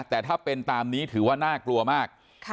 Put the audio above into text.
แต่ถ้าเป็นตามนี้ถือว่าน่ากลัวมาก